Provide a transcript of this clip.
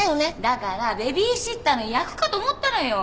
だからベビーシッターの役かと思ったのよ。